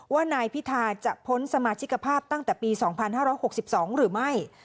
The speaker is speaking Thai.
ว่านายพิธาจะพ้นสมาชิกภาพตั้งแต่ปี๒๕๖๒หรือไม่